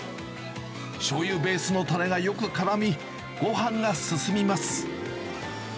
しょうゆベースのたれがよくからみ、ごはんが進みます。